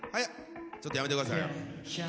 ちょっとやめて下さいよ。